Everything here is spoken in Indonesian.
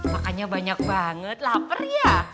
makannya banyak banget lapar ya